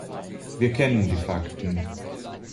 Wir kennen die Fakten.